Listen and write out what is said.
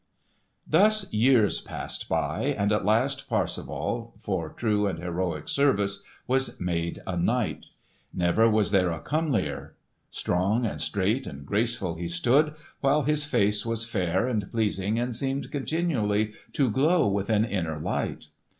Thus years passed by, and at last Parsifal, for true and heroic service, was made a knight. Never was there a comelier. Strong and straight and graceful he stood, while his face was fair and pleasing and seemed continually to glow with an inner light.